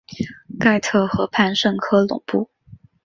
盖特河畔圣科隆布。